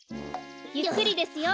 ゆっくりですよ。